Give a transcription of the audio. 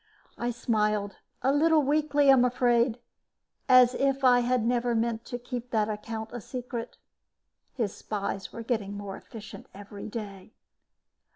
I smiled, a little weakly, I'm afraid, as if I had never meant to keep that account a secret. His spies were getting more efficient every day.